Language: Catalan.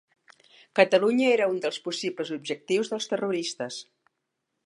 Catalunya era un dels possibles objectius dels terroristes.